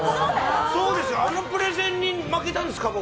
あのプレゼンに負けたんですか、僕。